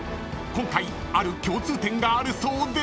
［今回ある共通点があるそうで］